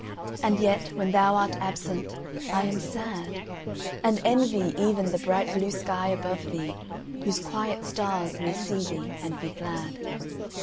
And yet when thou art absent I am sad; And envy even the bright blue sky above thee, Whose quiet stars may see thee and be glad.